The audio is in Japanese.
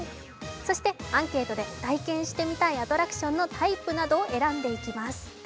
そしてアンケートで体験してみたいアトラクションのタイプなどを選んでいきます。